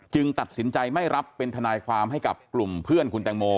ตัดสินใจไม่รับเป็นทนายความให้กับกลุ่มเพื่อนคุณแตงโม